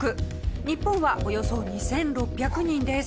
日本はおよそ２６００人です。